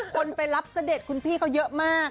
คนไปรับเสด็จคุณพี่เขาเยอะมาก